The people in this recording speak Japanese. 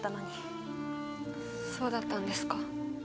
そうだったんですか。